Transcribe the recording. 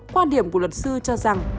quan điểm của luật sư cho rằng